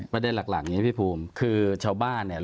ประเด็นหลักผู้บ้านเนี่ย